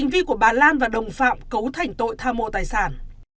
hành vi của bà lan và đồng phạm cấu thành tội tham mô tài sản